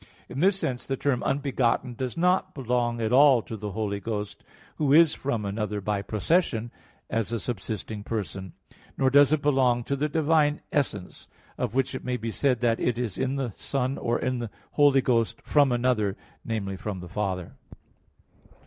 In this sense the term "unbegotten" does not belong at all to the Holy Ghost, Who is from another by procession, as a subsisting person; nor does it belong to the divine essence, of which it may be said that it is in the Son or in the Holy Ghost from another namely, from the Father.